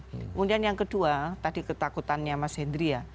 kemudian yang kedua tadi ketakutannya mas hendri ya